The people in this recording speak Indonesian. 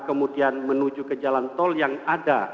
kemudian menuju ke jalan tol yang ada